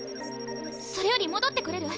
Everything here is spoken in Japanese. それより戻ってこれる？